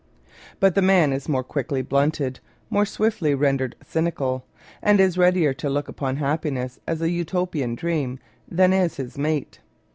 But the man is more quickly blunted, more swifdy rendered cyncial, and is ^° Married Love readier to look upon happiness as a Utopian dream than is his mate.